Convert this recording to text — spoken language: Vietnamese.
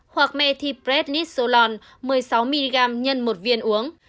hoặc methyprednisolone một mươi sáu mg x một viên uống